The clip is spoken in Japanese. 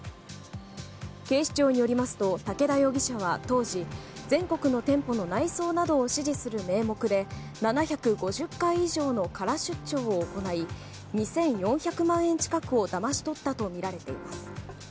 警視庁によりますと武田容疑者は当時全国の店舗の内装などを指示する名目で７５０回以上のカラ出張を行い２４００万円近くをだまし取ったとみられています。